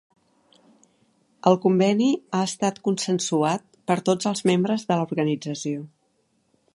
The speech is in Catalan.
El Conveni ha estat consensuat per tots els membres de l'organització.